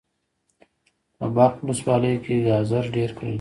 په بلخ ولسوالی کی ګازر ډیر کرل کیږي.